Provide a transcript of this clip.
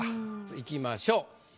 いきましょう。